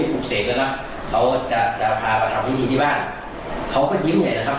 ตอนนี้เขาดีใจครับ